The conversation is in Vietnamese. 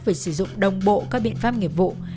phải sử dụng đồng bộ các biện pháp nghiệp vụ